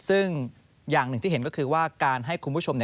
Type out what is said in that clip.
ซึ่งอย่างหนึ่งที่เห็นก็คือว่าการให้คุณผู้ชม